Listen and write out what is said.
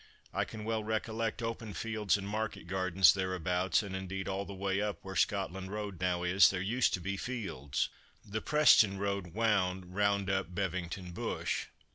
I can well recollect open fields and market gardens thereabouts, and, indeed, all the way up where Scotland road now is, there used to be fields. The Preston road wound round up Bevington Bush.